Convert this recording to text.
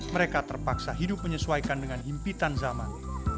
mereka terpaksa hidup menyesuaikan dengan himpitan zaman